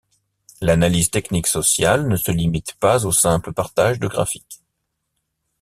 L'analyse technique sociale ne se limite pas au simple partage de graphiques.